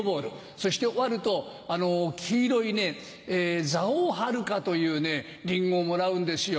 そして終わると黄色い「蔵王はるか」というリンゴをもらうんですよ。